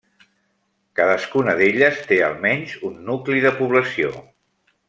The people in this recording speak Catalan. Cadascuna d'elles té almenys un nucli de població.